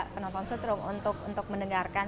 penonton setrum untuk mendengarkan